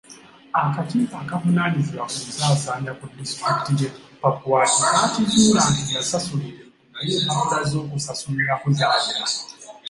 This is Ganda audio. Akakiiko akavunaanyizibwa ku nsaasaanya ku disitulikiti y'e Pakwach kaakizuula nti yasasula ebintu naye empapula z'okusasulirako zaabula.